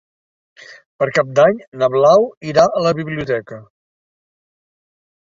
Per Cap d'Any na Blau irà a la biblioteca.